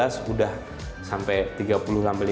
sudah sampai tiga puluh sampai lima puluh